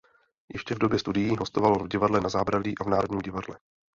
Ještě v době studií hostoval v Divadle Na zábradlí a v Národním divadle.